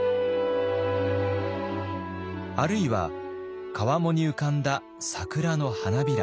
あるいは川面に浮かんだ桜の花びら。